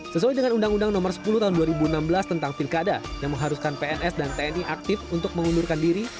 sesuai dengan undang undang nomor sepuluh tahun dua ribu enam belas tentang pilkada yang mengharuskan pns dan tni aktif untuk mengundurkan diri